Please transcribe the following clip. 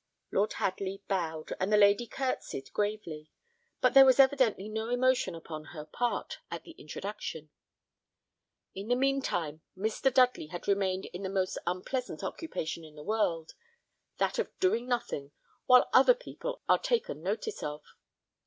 Lord Hadley bowed, and the lady curtsied gravely; but there was evidently no emotion upon her part, at the introduction. In the mean time, Mr. Dudley had remained in the most unpleasant occupation in the world, that of doing nothing while other people are taken notice of.